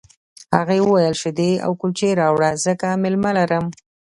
هغه وویل شیدې او کلچې راوړه ځکه مېلمه لرم